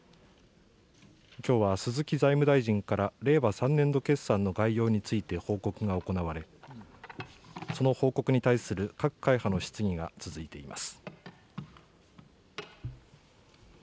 きょうは鈴木財務大臣から令和３年度決算の概要について報告が行われ、その報告に対する各会派の質疑が続いています。